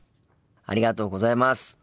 ありがとうございます。